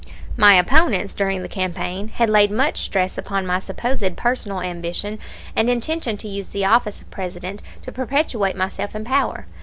My opponents during the campaign had laid much stress upon my supposed personal ambition and intention to use the office of President to perpetuate myself in power.